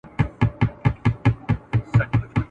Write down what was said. چي قاضي او مفتي ناست وي ماران ګرځي ..